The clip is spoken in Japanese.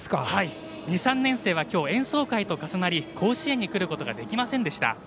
２、３年生は今日演奏会と重なり甲子園に来ることができませんでした。